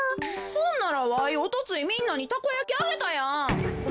そんならわいおとついみんなにたこやきあげたやん。